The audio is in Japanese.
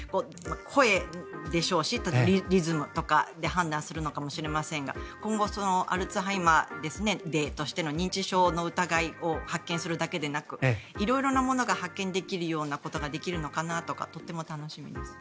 声でしょうし、リズムとかで判断するのかもしれませんが今後、アルツハイマーデーとして認知症の疑いを発見するだけでなく色々なものが発見できるようなことができるのかなとかとっても楽しみです。